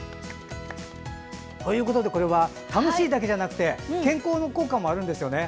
楽しいだけじゃなくて健康効果もあるんですよね。